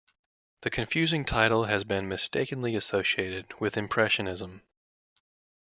The confusing title has been mistakenly associated with impressionism.